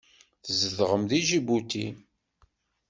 Tzedɣem deg Ǧibuti?